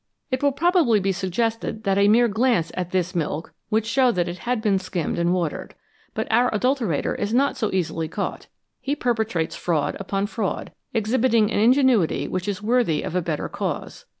It will probably be suggested that a mere glance at this " milk " would show that it had been skimmed and watered. But our adulterator is not so easily caught ; he perpetrates fraud upon fraud, exhibiting an ingenuity which is worthy of a better cause.